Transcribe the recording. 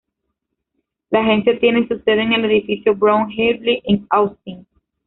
La agencia tiene su sede en el Edificio Brown-Heatley en Austin.